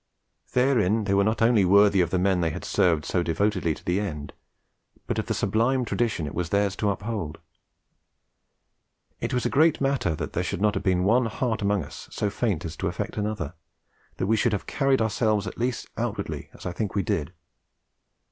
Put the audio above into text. Therein they were not only worthy of the men they had served so devotedly to the end, but of the sublime tradition it was theirs to uphold. It was a great matter that there should not have been one heart among us so faint as to affect another, that we should have carried ourselves at least outwardly as I think we did.